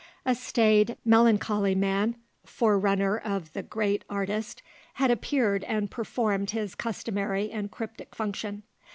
A staid, melancholy man, forerunner of the great artist, had appeared and performed his customary and cryptic function.